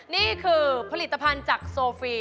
นี่คือผลิตภัณฑ์จากโซฟี